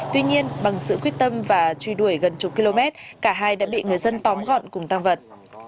tuy nhiên bằng sự quyết tâm và truy đuổi gần chục km cả hai đã bị người dân tóm gọn cùng tăng vật